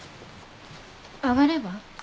上がれば？